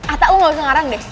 ata lo gak usah ngarang deh